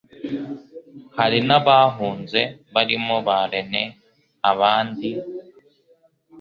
hari n'abahunze barimo ba René Abandi,